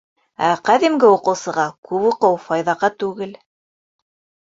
Ә ҡәҙимге уҡыусыға күп уҡыу файҙаға түгел.